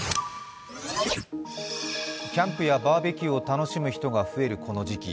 キャンプやバーベキューを楽しむ人が増えるこの時期。